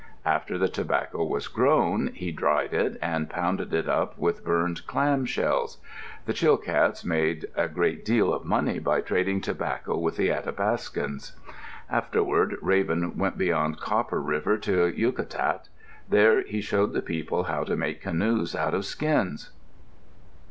After the tobacco was grown, he dried it and pounded it up with burned clam shells. The Chilkats made a great deal of money by trading tobacco with the Athapascans. Afterward Raven went beyond Copper River to Yukatat. There he showed the people how to make canoes out of skins.